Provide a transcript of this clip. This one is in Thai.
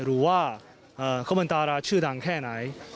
หรือว่าเขาเป็นดาราชื่อดังแค่ไหน